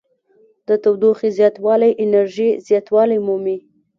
د تودوخې زیاتوالی انرژي زیاتوالی مومي.